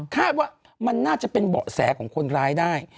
คาดว่ามันน่าจะเป็นเบาะแสของคนร้ายได้